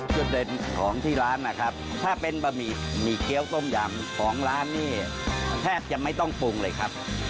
จุดเด่นของที่ร้านนะครับถ้าเป็นบะหมี่หมี่เกี้ยวต้มยำของร้านนี่แทบจะไม่ต้องปรุงเลยครับ